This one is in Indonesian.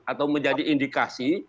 atau menjadi indikasi